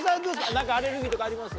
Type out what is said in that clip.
何かアレルギーとかあります？